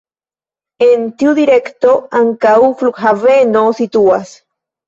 En tiu direkto ankaŭ flughaveno situas.